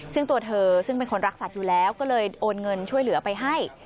ซึ่งตัวเธอซึ่งเป็นคนรักสัตว์อยู่แล้วก็เลยโอนเงินช่วยเหลือไปให้